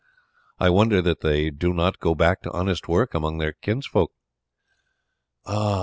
I wonder that they do not go back to honest work among their kinsfolk." "Ah!"